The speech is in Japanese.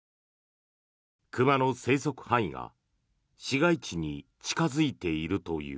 熊の生息範囲が市街地に近付いているという。